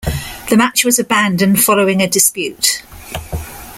The match was abandoned following a dispute.